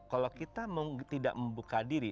kalau kita tidak membuka diri